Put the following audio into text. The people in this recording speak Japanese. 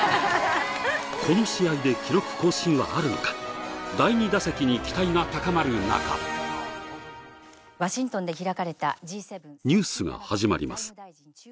この試合で記録更新はあるのかが高まる中ワシントンで開かれたＧ７ニュースが始まります